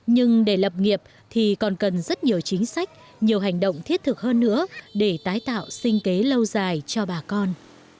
nhưng để lập nghiệp thì còn cần rất nhiều chính sách nhiều hành động thiết thực hơn nữa để tái tạo sinh kế lâu dài cho bà con